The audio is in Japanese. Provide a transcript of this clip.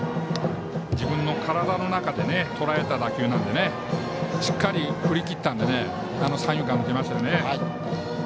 自分の体の中でとらえた打球なのでしっかり振り切ったので三遊間を抜けましたね。